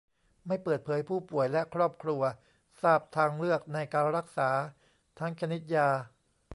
ไม่เปิดเผย ผู้ป่วย และ ครอบครัว ทราบทางเลือกในการรักษา ทั้งชนิดยา